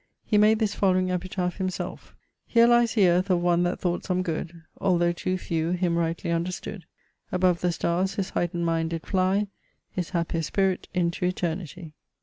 Hee made this following epitaph himself: 'Here lies the earth of one that thought some good, Although too few him rightly understood: Above the starres his heightned mind did flye, His hapier spirit into Eternity.'